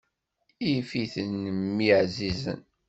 Yif-iten mmi ɛzizen.